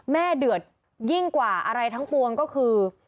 เดือดยิ่งกว่าอะไรทั้งปวงก็คือ